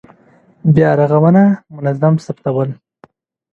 بیا رغونه منظم ثبتول.